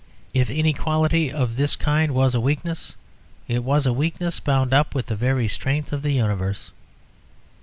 If inequality of this kind was a weakness, it was a weakness bound up with the very strength of the universe.